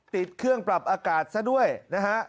ติดเครื่องปรับอากาศซะด้วยนะฮะ